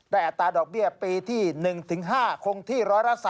อัตราดอกเบี้ยปีที่๑๕คงที่๑๓